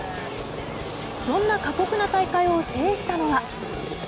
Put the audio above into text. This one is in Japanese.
そんな過酷な大会を制したのは。